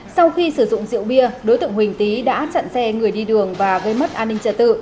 sau khi sử dụng rượu bia đối tượng huỳnh tý đã chặn xe người đi đường và gây mất an ninh trật tự